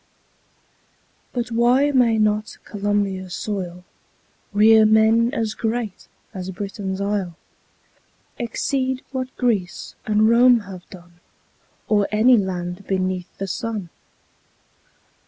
But why may not Columbia's soil Rear men as great as Britain's Isle, Exceed what Greece and Rome have done Or any land beneath the sun?